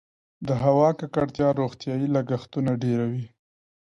د هوا ککړتیا روغتیايي لګښتونه ډیروي؟